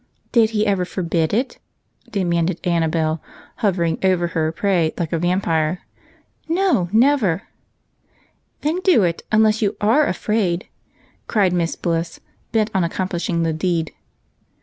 " Did he ever forbid it ?" demanded Annabel hov ering over her prey like a vampire. " :N^o, never !" 170 EIGHT COUSINS. EAR RINGS. 171 "Then do it, unless you are afraid^'' cried Miss Bliss, bent on accomplishing the deed.